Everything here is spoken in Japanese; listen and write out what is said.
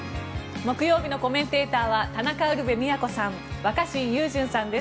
木曜日のコメンテーターは田中ウルヴェ京さん若新雄純さんです。